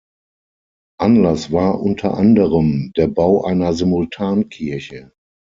Anlass war unter anderem der Bau einer Simultankirche.